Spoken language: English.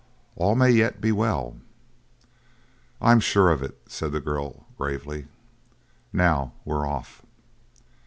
All may yet be well!" "I'm sure of it." said the girl gravely. "Now we're off."